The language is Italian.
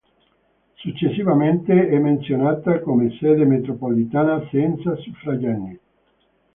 Successivamente è menzionata come sede metropolitana senza suffraganee.